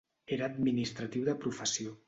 Era administratiu de professió.